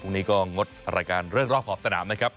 พรุ่งนี้ก็งดรายการเรื่องรอบขอบสนามนะครับ